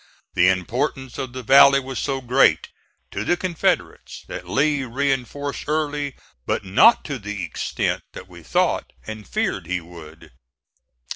The importance of the valley was so great to the Confederates that Lee reinforced Early, but not to the extent that we thought and feared he would.